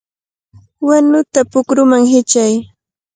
¡Wanuta pukruman hichay!